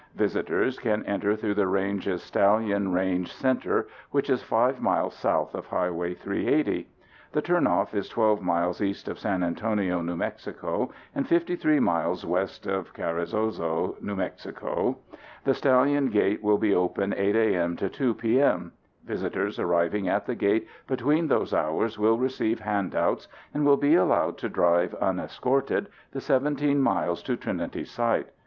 Visitors can enter through the range's Stallion Range Center which is five miles south of Highway 380. The turnoff is 12 miles east of San Antonio, N.M., and 53 miles west of Carrizozo, N.M. The Stallion gate will be open 8 a.m. to 2 p.m. Visitors arriving at the gate between those hours will receive handouts and will be allowed to drive unescorted the 17 miles to Trinity Site.